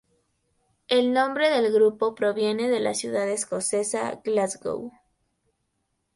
El nombre del grupo proviene de la ciudad escocesa Glasgow.